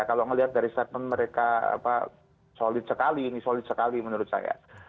kalau melihat dari statement mereka solid sekali ini solid sekali menurut saya